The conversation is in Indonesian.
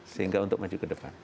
sehingga untuk maju ke depan